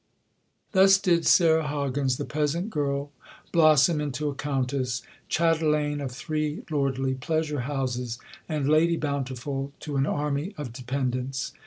'" Thus did Sarah Hoggins, the peasant girl, blossom into a Countess, chatelaine of three lordly pleasure houses, and Lady Bountiful to an army of dependents.